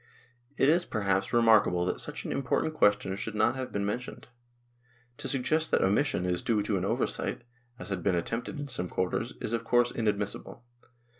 It is, perhaps, re markable that such an important question should not have been mentioned ; to suggest that that omission is due to an oversight, as has been attempted in some quarters, is of course inadmissible.